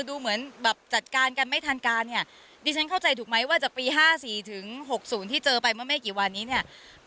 ดูเหมือนแบบจัดการกันไม่ทันการเนี่ยดิฉันเข้าใจถูกไหมว่าจากปี๕๔ถึง๖๐ที่เจอไปเมื่อไม่กี่วันนี้เนี่ย